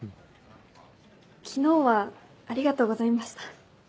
昨日はありがとうございました。